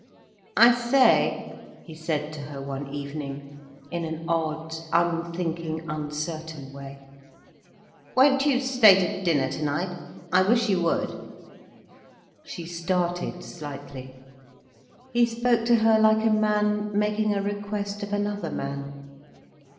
"I say," he said to her one evening, in an odd, unthinking, uncertain way, "won't you stay to dinner tonight? I wish you would." She started slightly. He spoke to her like a man making a request of another man.